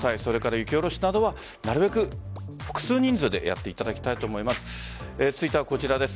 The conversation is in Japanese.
雪下ろしなどは、なるべく複数人数でやっていただきたいと思います。